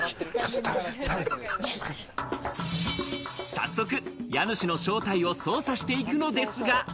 早速、家主の正体を捜査していくのですが。